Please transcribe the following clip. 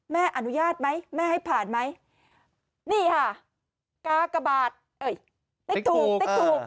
แม่อนุญาตไหมแม่ให้ผ่านไหมนี่ค่ะกากบาทเอ้ยติ๊กถูกติ๊กถูก